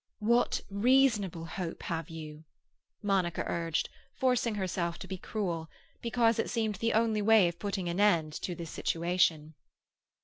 "What reasonable hope have you?" Monica urged, forcing herself to be cruel, because it seemed the only way of putting an end to this situation.